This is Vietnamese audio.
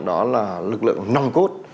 đó là lực lượng nòng cốt